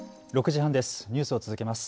６時半です。